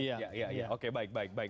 iya iya oke baik baik baik